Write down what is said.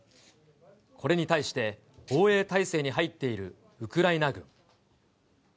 これに対して、防衛態勢に入っているウクライナ軍。